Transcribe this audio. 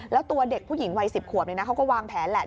แล้วตัวเด็กผู้หญิงวัย๑๐ขวบเขาก็วางแผนแหละ